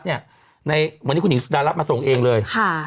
ในวันนี้คุณหญิงสุดารัฐมาส่งเองเลย